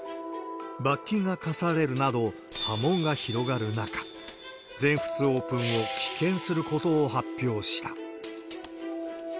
罰金が科されるなど、波紋が広がる中、全仏オープンを棄権することを発表した。